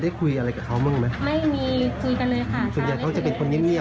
แต่ก็ไม่มีการขึ้นไหวไม่มีเสียงเกิดพิวัตตัวอะไรกี่